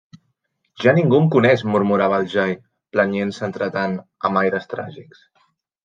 -Ja ningú em coneix!- murmurava el jai, planyent-se entretant amb aires tràgics.